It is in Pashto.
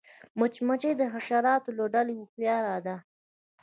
مچمچۍ د حشراتو له ډلې هوښیاره ده